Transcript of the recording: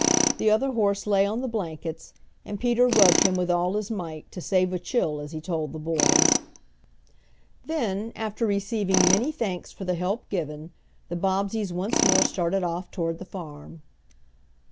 The other horse lay on the blankets, and Peter rubbed him with all his might, to save a chill as he told the boys. Then, after receiving many thanks for the help given, the Bobbseys once more started off toward the farm.